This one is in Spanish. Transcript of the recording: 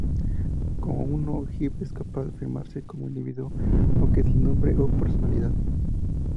Como uno, Hive es capaz de afirmarse como individuo, aunque sin nombre o personalidad.